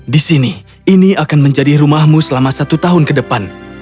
di sini ini akan menjadi rumahmu selama satu tahun ke depan